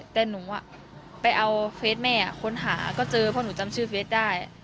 แต่หนูไปเอาเฟสแม่ค้นหาก็เจอเพราะหนูจำชื่อเฟสได้